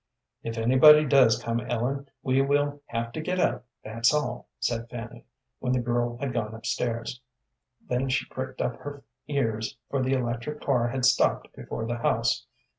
"If anybody does come, Ellen will have to get up, that's all," said Fanny, when the girl had gone up stairs. Then she pricked up her ears, for the electric car had stopped before the house.